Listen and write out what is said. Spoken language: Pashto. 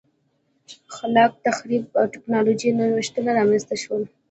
خلاق تخریب او ټکنالوژیکي نوښتونه رامنځته نه شول